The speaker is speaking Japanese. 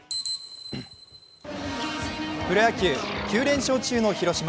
プロ野球、９連勝中の広島。